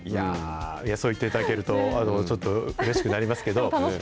そう言っていただけると、ちょっとうれしくなりますけど。